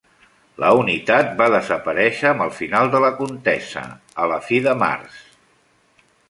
La unitat va desaparèixer amb el final de la contesa, a la fi de març.